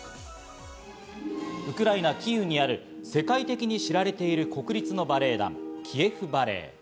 ウクライナ・キーウにある世界的に知られている国立のバレエ団、キエフ・バレエ。